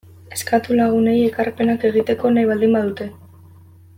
Eskatu lagunei ekarpenak egiteko nahi baldin badute.